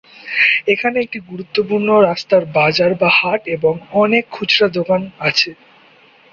এখানে একটি গুরুত্বপূর্ণ রাস্তার বাজার বা হাট এবং অনেক খুচরা দোকান আছে।